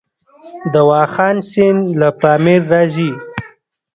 د واخان سیند له پامیر راځي